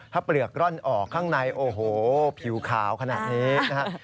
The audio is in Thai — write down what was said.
ถ้าเปลือกร่อนออกข้างในโอ้โหผิวขาวขนาดนี้นะครับ